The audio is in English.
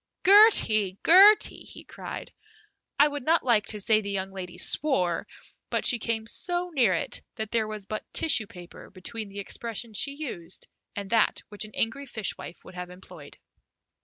"Gertie, Gertie!" he cried. I would not like to say the young lady swore, but she came so near it that there was but tissue paper between the expression she used and that which an angry fish wife would have employed.